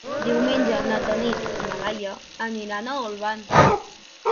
Diumenge na Tanit i na Laia aniran a Olvan.